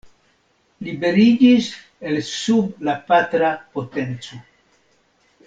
Liberiĝis el sub la patra potenco.